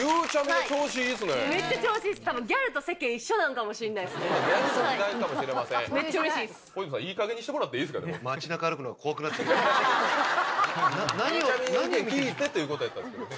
の意見聞いてということやったんですけどね。